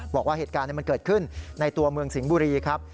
บอกว่าเหตุการณ์มันเกิดขึ้นในตัวเมืองสิงห์บุรีครับ